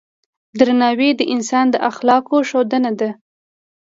درناوی د انسان د اخلاقو ښودنه ده.